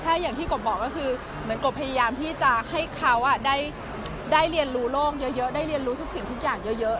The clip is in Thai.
ใช่อย่างที่กบบอกก็คือเหมือนกบพยายามที่จะให้เขาได้เรียนรู้โลกเยอะได้เรียนรู้ทุกสิ่งทุกอย่างเยอะ